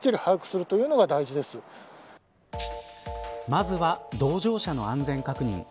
まずは同乗者の安全確認。